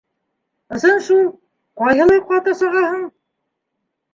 Ысын шул, ҡайһылай ҡаты сағаһың!